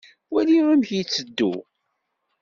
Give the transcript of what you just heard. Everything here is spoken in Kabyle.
Wali amek i itteddu.